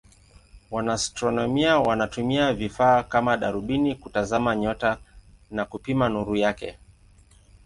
Wanaastronomia wanatumia vifaa kama darubini kutazama nyota na kupima nuru yake.